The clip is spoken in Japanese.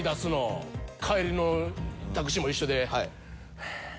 帰りのタクシーも一緒で。